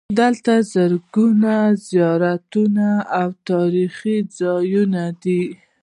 دلته زرګونه زیارتونه او تاریخي ځایونه دي.